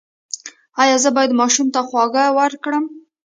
ایا زه باید ماشوم ته خواږه ورکړم؟